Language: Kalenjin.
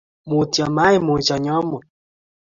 mutyo maimuch anyo omut